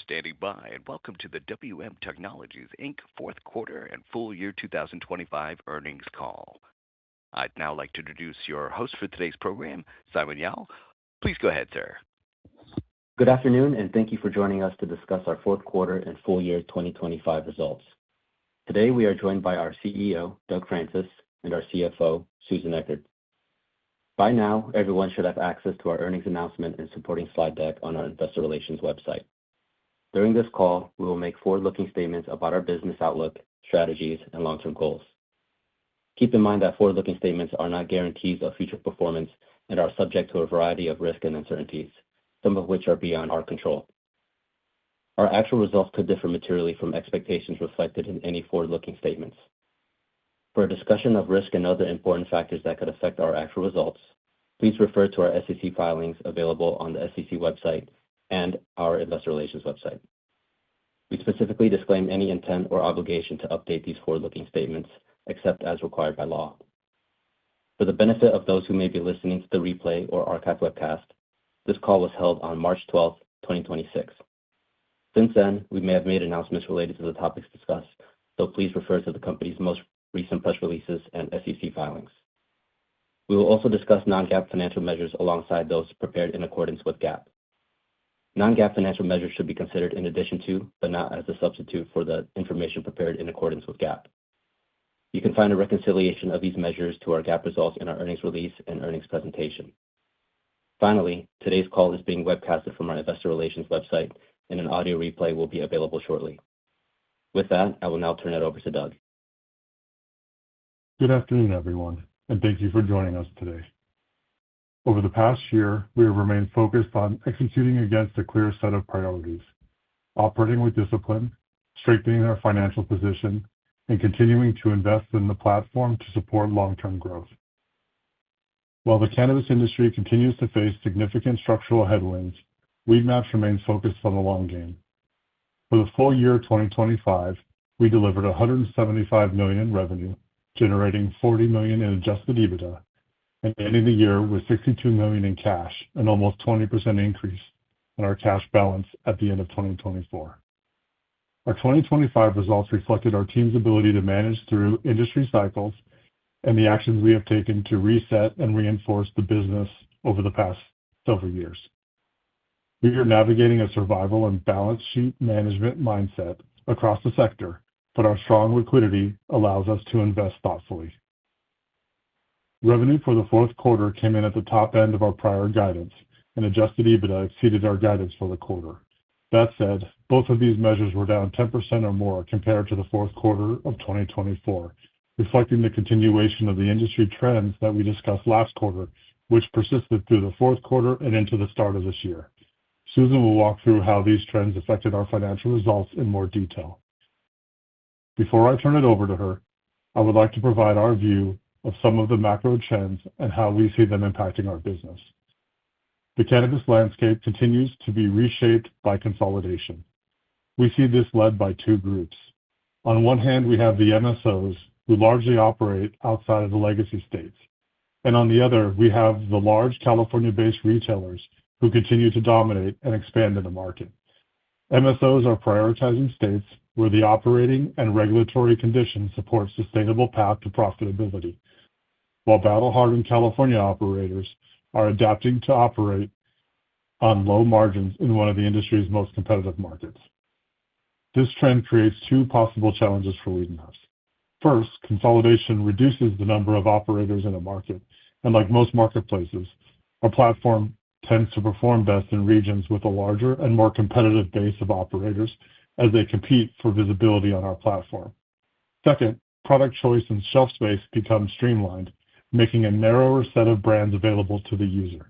Thank you for standing by and welcome to the WM Technology, Inc. fourth quarter and full year 2025 earnings call. I'd now like to introduce your host for today's program, Simon Yao. Please go ahead, sir. Good afternoon, and thank you for joining us to discuss our fourth quarter and full year 2025 results. Today we are joined by our CEO, Doug Francis, and our CFO, Susan Echard. By now, everyone should have access to our earnings announcement and supporting slide deck on our investor relations website. During this call, we will make forward-looking statements about our business outlook, strategies, and long-term goals. Keep in mind that forward-looking statements are not guarantees of future performance and are subject to a variety of risks and uncertainties, some of which are beyond our control. Our actual results could differ materially from expectations reflected in any forward-looking statements. For a discussion of risk and other important factors that could affect our actual results, please refer to our SEC filings available on the SEC website and our investor relations website. We specifically disclaim any intent or obligation to update these forward-looking statements except as required by law. For the benefit of those who may be listening to the replay or archive webcast, this call was held on March 12, 2026. Since then, we may have made announcements related to the topics discussed, so please refer to the company's most recent press releases and SEC filings. We will also discuss non-GAAP financial measures alongside those prepared in accordance with GAAP. Non-GAAP financial measures should be considered in addition to, but not as a substitute for, the information prepared in accordance with GAAP. You can find a reconciliation of these measures to our GAAP results in our earnings release and earnings presentation. Finally, today's call is being webcasted from our investor relations website, and an audio replay will be available shortly. With that, I will now turn it over to Doug. Good afternoon, everyone, and thank you for joining us today. Over the past year, we have remained focused on executing against a clear set of priorities, operating with discipline, strengthening our financial position, and continuing to invest in the platform to support long-term growth. While the cannabis industry continues to face significant structural headwinds, Weedmaps remains focused on the long game. For the full year 2025, we delivered $175 million in revenue, generating $40 million in adjusted EBITDA and ending the year with $62 million in cash, an almost 20% increase in our cash balance at the end of 2024. Our 2025 results reflected our team's ability to manage through industry cycles and the actions we have taken to reset and reinforce the business over the past several years. We are navigating a survival and balance sheet management mindset across the sector, but our strong liquidity allows us to invest thoughtfully. Revenue for the fourth quarter came in at the top end of our prior guidance, and adjusted EBITDA exceeded our guidance for the quarter. That said, both of these measures were down 10% or more compared to the fourth quarter of 2024, reflecting the continuation of the industry trends that we discussed last quarter, which persisted through the fourth quarter and into the start of this year. Susan will walk through how these trends affected our financial results in more detail. Before I turn it over to her, I would like to provide our view of some of the macro trends and how we see them impacting our business. The cannabis landscape continues to be reshaped by consolidation. We see this led by two groups. On one hand, we have the MSOs, who largely operate outside of the legacy states, and on the other, we have the large California-based retailers who continue to dominate and expand in the market. MSOs are prioritizing states where the operating and regulatory conditions support sustainable path to profitability, while battle-hardened California operators are adapting to operate on low margins in one of the industry's most competitive markets. This trend creates two possible challenges for Weedmaps. First, consolidation reduces the number of operators in a market, and like most marketplaces, our platform tends to perform best in regions with a larger and more competitive base of operators as they compete for visibility on our platform. Second, product choice and shelf space become streamlined, making a narrower set of brands available to the user.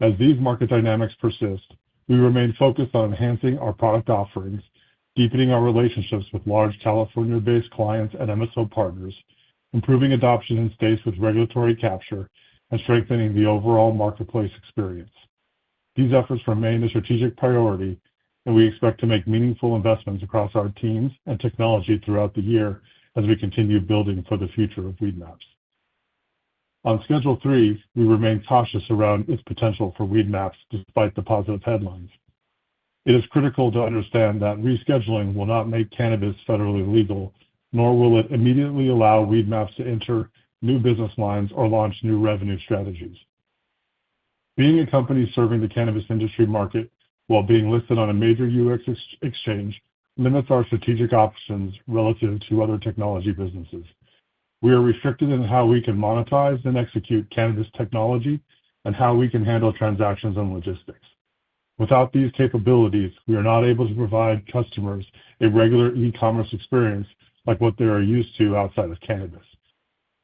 As these market dynamics persist, we remain focused on enhancing our product offerings, deepening our relationships with large California-based clients and MSO partners, improving adoption in states with regulatory capture, and strengthening the overall marketplace experience. These efforts remain a strategic priority, and we expect to make meaningful investments across our teams and technology throughout the year as we continue building for the future of Weedmaps. On Schedule III, we remain cautious around its potential for Weedmaps despite the positive headlines. It is critical to understand that rescheduling will not make cannabis federally legal, nor will it immediately allow Weedmaps to enter new business lines or launch new revenue strategies. Being a company serving the cannabis industry market while being listed on a major U.S. exchange limits our strategic options relative to other technology businesses. We are restricted in how we can monetize and execute cannabis technology and how we can handle transactions and logistics. Without these capabilities, we are not able to provide customers a regular e-commerce experience like what they are used to outside of cannabis,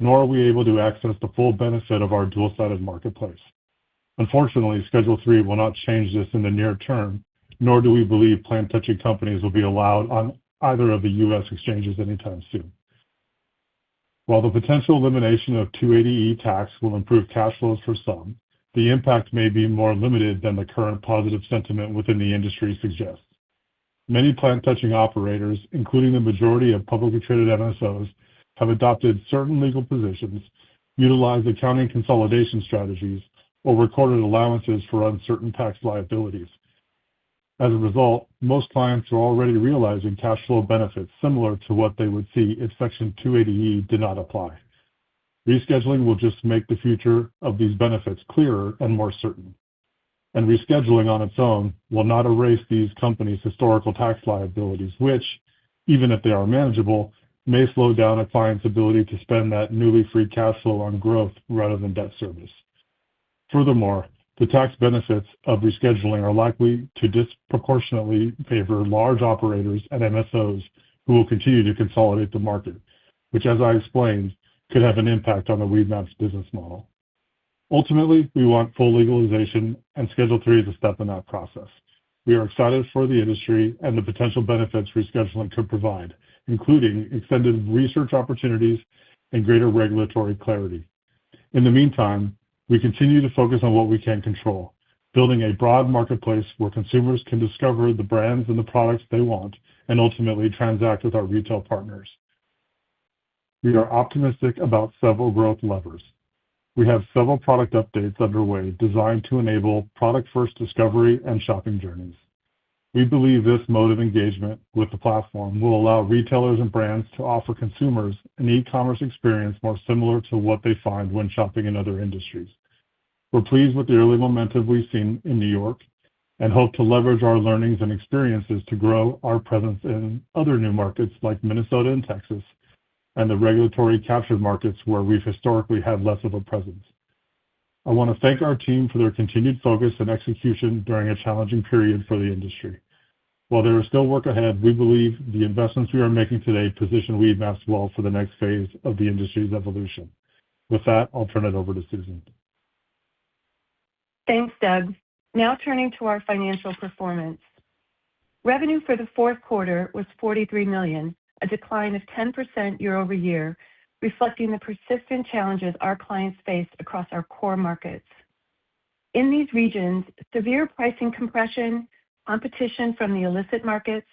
nor are we able to access the full benefit of our dual-sided marketplace. Unfortunately, Schedule III will not change this in the near term, nor do we believe plant-touching companies will be allowed on either of the U.S. exchanges anytime soon. While the potential elimination of 280E tax will improve cash flows for some, the impact may be more limited than the current positive sentiment within the industry suggests. Many plant-touching operators, including the majority of publicly traded MSOs, have adopted certain legal positions, utilized accounting consolidation strategies, or recorded allowances for uncertain tax liabilities. As a result, most clients are already realizing cash flow benefits similar to what they would see if Section 280E did not apply. Rescheduling will just make the future of these benefits clearer and more certain, and rescheduling on its own will not erase these companies' historical tax liabilities, which even if they are manageable, may slow down a client's ability to spend that newly freed cash flow on growth rather than debt service. Furthermore, the tax benefits of rescheduling are likely to disproportionately favor large operators and MSOs who will continue to consolidate the market, which, as I explained, could have an impact on the Weedmaps business model. Ultimately, we want full legalization, and Schedule III is a step in that process. We are excited for the industry and the potential benefits rescheduling could provide, including extended research opportunities and greater regulatory clarity. In the meantime, we continue to focus on what we can control, building a broad marketplace where consumers can discover the brands and the products they want and ultimately transact with our retail partners. We are optimistic about several growth levers. We have several product updates underway designed to enable product-first discovery and shopping journeys. We believe this mode of engagement with the platform will allow retailers and brands to offer consumers an e-commerce experience more similar to what they find when shopping in other industries. We're pleased with the early momentum we've seen in New York and hope to leverage our learnings and experiences to grow our presence in other new markets, like Minnesota and Texas, and the regulatory captured markets where we've historically had less of a presence. I wanna thank our team for their continued focus and execution during a challenging period for the industry. While there is still work ahead, we believe the investments we are making today position Weedmaps well for the next phase of the industry's evolution. With that, I'll turn it over to Susan. Thanks, Doug. Now turning to our financial performance. Revenue for the fourth quarter was $43 million, a decline of 10% year-over-year, reflecting the persistent challenges our clients face across our core markets. In these regions, severe pricing compression, competition from the illicit markets,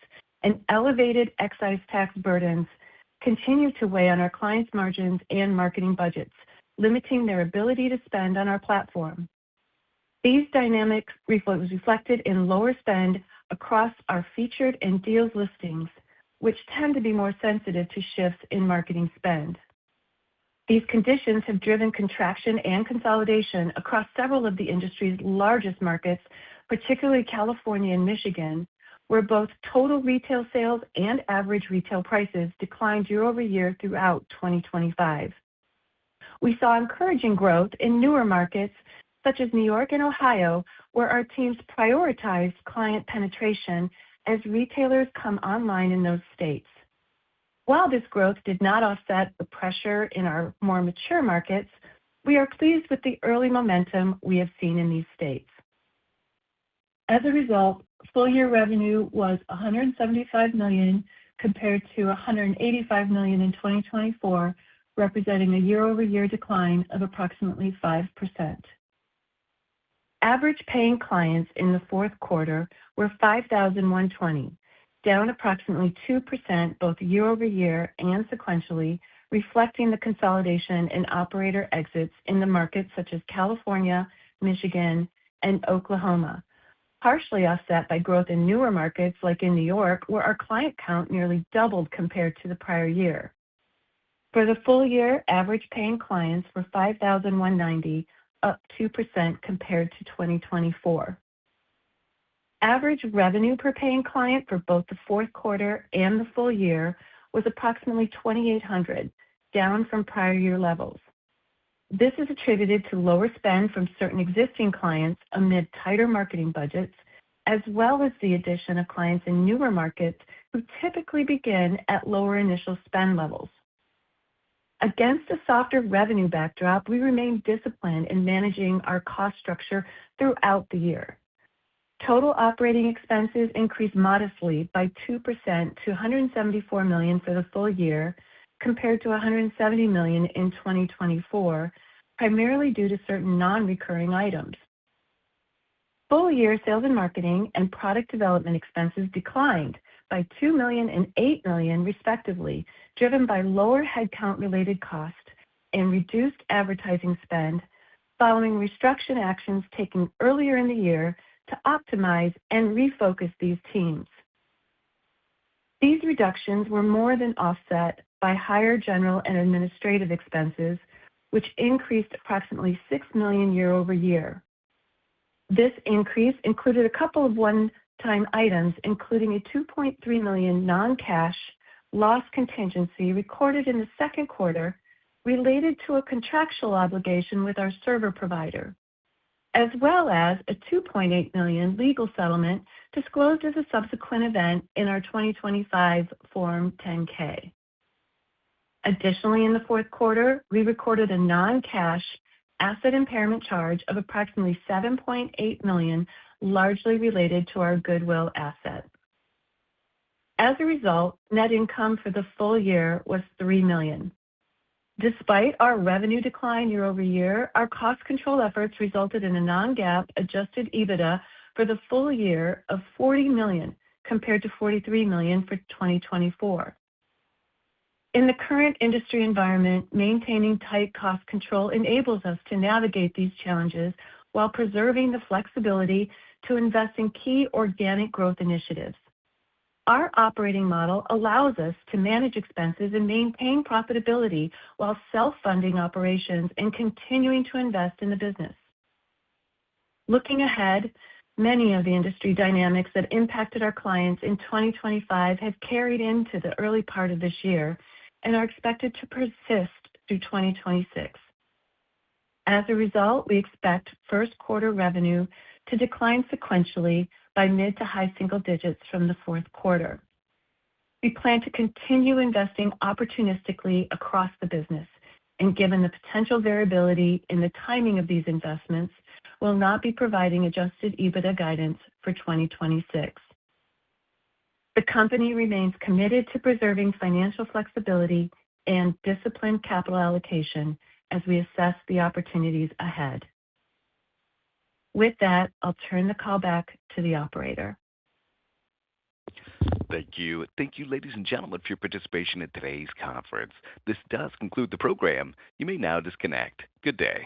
and elevated excise tax burdens continue to weigh on our clients' margins and marketing budgets, limiting their ability to spend on our platform. These dynamics was reflected in lower spend across our Featured and Deal Listings, which tend to be more sensitive to shifts in marketing spend. These conditions have driven contraction and consolidation across several of the industry's largest markets, particularly California and Michigan, where both total retail sales and average retail prices declined year-over-year throughout 2025. We saw encouraging growth in newer markets, such as New York and Ohio, where our teams prioritized client penetration as retailers come online in those states. While this growth did not offset the pressure in our more mature markets, we are pleased with the early momentum we have seen in these states. As a result, full year revenue was $175 million, compared to $185 million in 2024, representing a year-over-year decline of approximately 5%. Average paying clients in the fourth quarter were 5,120, down approximately 2% both year-over-year and sequentially, reflecting the consolidation in operator exits in the markets such as California, Michigan, and Oklahoma, partially offset by growth in newer markets like in New York, where our client count nearly doubled compared to the prior year. For the full year, average paying clients were 5,190, up 2% compared to 2024. Average revenue per paying client for both the fourth quarter and the full year was approximately $2,800, down from prior year levels. This is attributed to lower spend from certain existing clients amid tighter marketing budgets, as well as the addition of clients in newer markets who typically begin at lower initial spend levels. Against a softer revenue backdrop, we remain disciplined in managing our cost structure throughout the year. Total operating expenses increased modestly by 2% to $174 million for the full year compared to $170 million in 2024, primarily due to certain non-recurring items. Full year sales and marketing and product development expenses declined by $2 million and $8 million respectively, driven by lower headcount-related costs and reduced advertising spend following restriction actions taken earlier in the year to optimize and refocus these teams. These reductions were more than offset by higher general and administrative expenses, which increased approximately $6 million year-over-year. This increase included a couple of one-time items, including a $2.3 million non-cash loss contingency recorded in the second quarter related to a contractual obligation with our server provider, as well as a $2.8 million legal settlement disclosed as a subsequent event in our 2025 Form 10-K. Additionally, in the fourth quarter, we recorded a non-cash asset impairment charge of approximately $7.8 million, largely related to our goodwill asset. As a result, net income for the full year was $3 million. Despite our revenue decline year-over-year, our cost control efforts resulted in a non-GAAP adjusted EBITDA for the full year of $40 million, compared to $43 million for 2024. In the current industry environment, maintaining tight cost control enables us to navigate these challenges while preserving the flexibility to invest in key organic growth initiatives. Our operating model allows us to manage expenses and maintain profitability while self-funding operations and continuing to invest in the business. Looking ahead, many of the industry dynamics that impacted our clients in 2025 have carried into the early part of this year and are expected to persist through 2026. As a result, we expect first quarter revenue to decline sequentially by mid- to high-single digits from the fourth quarter. We plan to continue investing opportunistically across the business and, given the potential variability in the timing of these investments, we'll not be providing adjusted EBITDA guidance for 2026. The company remains committed to preserving financial flexibility and disciplined capital allocation as we assess the opportunities ahead. With that, I'll turn the call back to the operator. Thank you. Thank you, ladies and gentlemen, for your participation in today's conference. This does conclude the program. You may now disconnect. Good day.